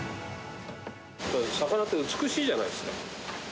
魚って美しいじゃないですか。